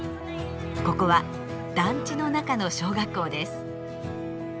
ここは団地の中の小学校です。